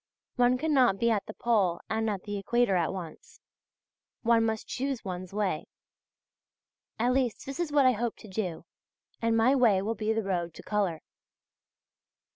One cannot be at the Pole and at the Equator at once. One must choose one's way; at least this is what I hope to do, and my way will be the road to colour.